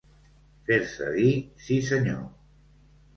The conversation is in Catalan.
Fer-se dir «sí, senyor».